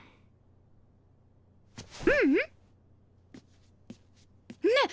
ううん！ねえ！